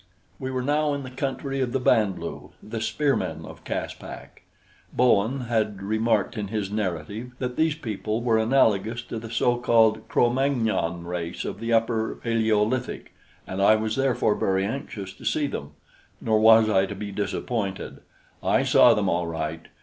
We were now in the country of the Band lu, the spearmen of Caspak. Bowen had remarked in his narrative that these people were analogous to the so called Cro Magnon race of the Upper Paleolithic, and I was therefore very anxious to see them. Nor was I to be disappointed; I saw them, all right!